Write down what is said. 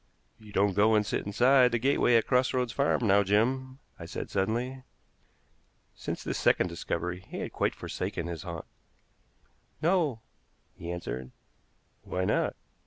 "You don't go and sit inside the gateway at Cross Roads Farm now, Jim," I said suddenly. Since this second discovery he had quite forsaken his haunt. "No," he answered. "Why not?"